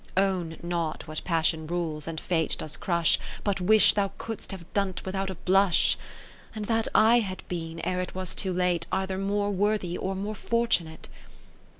Own not what Passion rules, and Fate does crush. But wish thou couldst have done 't without a blush ; And that I had been, ere it was tod late, Either more worthy, or more fortunate.